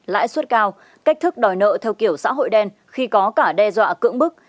lãi suất cao cách thức đòi nợ theo kiểu xã hội đen khi có cả đe dọa cưỡng bức